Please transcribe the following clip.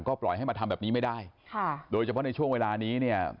ปล่อยให้มาทำแบบนี้ไม่ได้ค่ะโดยเฉพาะในช่วงเวลานี้เนี่ย